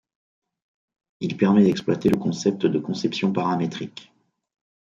Il permet d'exploiter le concept de conception paramétrique.